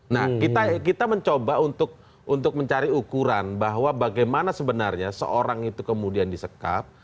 nah kita mencoba untuk mencari ukuran bahwa bagaimana sebenarnya seorang itu kemudian disekap